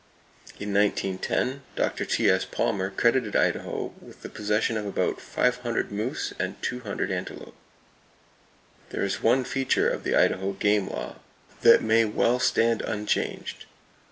In 1910, Dr. T.S. Palmer credited Idaho with the possession of about five hundred moose and two hundred antelope. There is one feature of the Idaho game law that may well stand unchanged.